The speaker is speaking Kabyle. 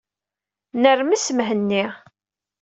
Nnermes Mhenni.